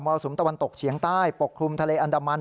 รสุมตะวันตกเฉียงใต้ปกคลุมทะเลอันดามัน